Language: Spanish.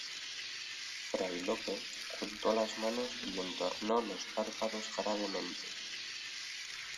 fray Lope juntó las manos y entornó los párpados gravemente: